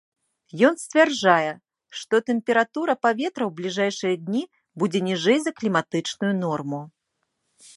Ён сцвярджае, што тэмпература паветра ў бліжэйшыя дні будзе ніжэй за кліматычную норму.